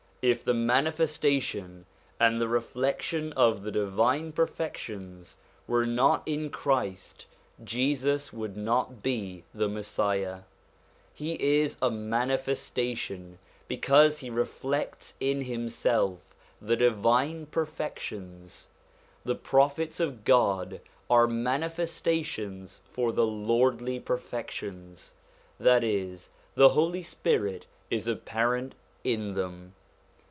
If the mani festation and the reflection of the divine perfections were not in Christ, Jesus would not be the Messiah. He is a Manifestation because he reflects in himself the 146 SOME ANSWERED QUESTIONS divine perfections. The Prophets of God are mani festations for the lordly perfections ; that is, the Holy Spirit is apparent in them.